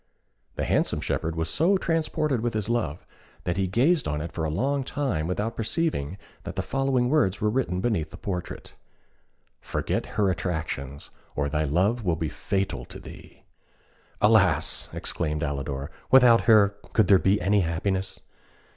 The handsome shepherd was so transported with his love, that he gazed on it for a long time without perceiving that the following words were written beneath the portrait: "Forget her attractions, or thy love will be fatal to thee." "Alas!" exclaimed Alidor, "without her could there be any happiness?"